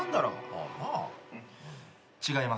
違います。